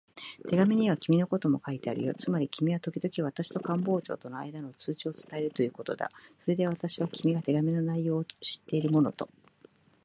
手紙には君のことも書いてあるよ。つまり君はときどき私と官房長とのあいだの通知を伝えるということだ。それで私は、君が手紙の内容を知っているものと